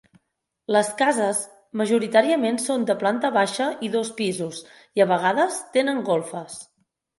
Les cases, majoritàriament, són de planta baixa i dos pisos, i a vegades tenen golfes.